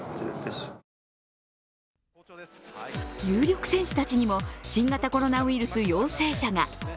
有力選手たちにも新型コロナウイルス陽性者が。